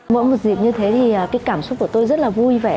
mỗi một dịp như thế thì cái cảm xúc của tôi rất là vui vẻ